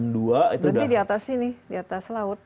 berarti di atas sini di atas laut